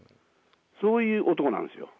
そういう男なんですよ。